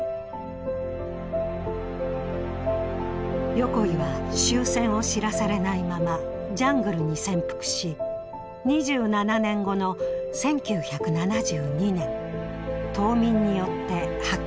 横井は終戦を知らされないままジャングルに潜伏し２７年後の１９７２年島民によって発見されました。